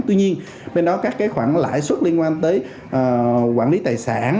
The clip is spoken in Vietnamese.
tuy nhiên bên đó các cái khoản lãi suất liên quan tới quản lý tài sản